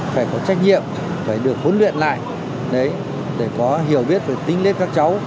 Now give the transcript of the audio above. phải có trách nhiệm phải được huấn luyện lại để có hiểu biết về tính lớp các cháu